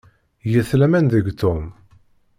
Get laman deg Tom.